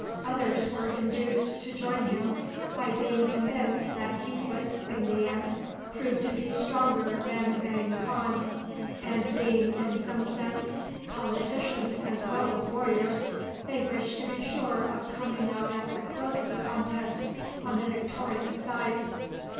Others were induced to join him by being convinced that he would, in the end, prove to be stronger than Vang Khan, and being, in some sense, politicians as well as warriors, they wished to be sure of coming out at the close of the contest on the victorious side.